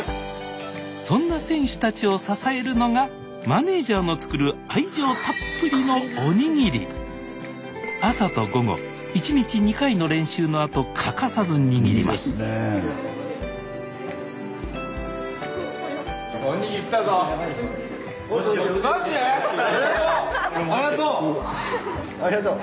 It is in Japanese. そんな選手たちを支えるのがマネージャーの作る愛情たっぷりのの練習のあと欠かさず握りますありがとう！